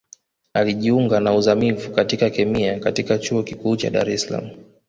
Alijiunga na Uzamivu katika Kemia katika Chuo Kikuu cha Dar es Salaam